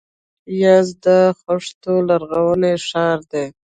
یزد د خښتو لرغونی ښار دی.